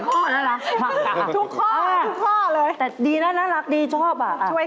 คุณพ่อไม่คิดอะไรเลย